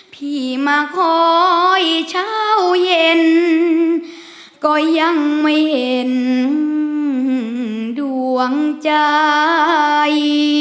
พี่มาคอยเช้าเย็นก็ยังไม่เห็นดวงใจ